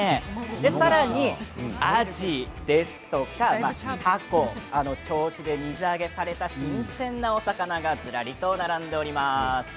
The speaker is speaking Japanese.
さらに、あじたこ、銚子で水揚げされた新鮮なお魚がずらりと並んでおります。